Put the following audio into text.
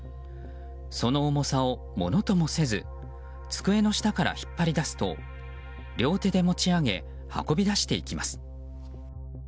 その重さをものともせず机の下から引っ張り出すと両手で持ち上げ運び出していきます。